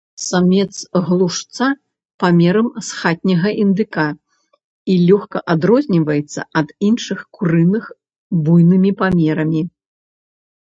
Самец глушца памерам з хатняга індыка і лёгка адрозніваецца ад іншых курыных буйнымі памерамі.